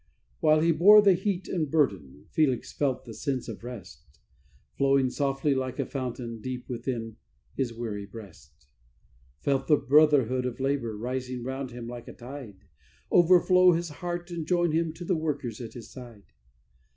While he bore the heat and burden Felix felt the sense of rest Flowing softly like a fountain, deep within his weary breast; Felt the brotherhood of labour, rising round him like a tide, Overflow his heart and join him to the workers at his side.